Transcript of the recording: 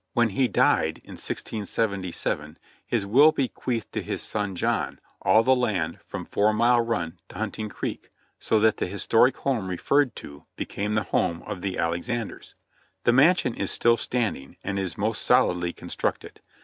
When he died in 1677 his will bequeathed to his son John all the land from Four Mile Run to Hunting Creek, so that the his toric home referred to became the home of the Alexanders. The mansion is still standing and is most solidly constructed.